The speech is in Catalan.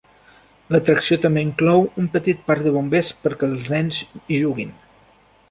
L'atracció també inclou un petit parc de bombers perquè els nens hi juguin.